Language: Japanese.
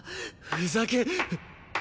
ふざけん。